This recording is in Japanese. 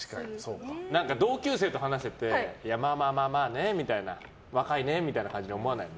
同級生と話しててまあまあまあね、みたいな若いねみたいな感じに思わないの？